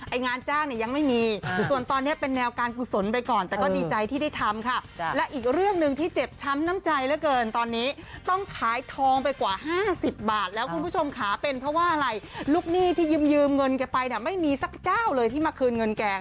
ไอ้งานจ้างเนี่ยยังไม่มีส่วนตอนนี้เป็นแนวการผุดสนไปก่อนแต่ก็ดีใจที่ได้ทำค่ะ